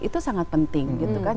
itu sangat penting gitu kan